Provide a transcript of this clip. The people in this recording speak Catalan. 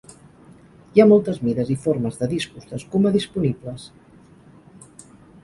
Hi ha moltes mides i formes de discos d'escuma disponibles.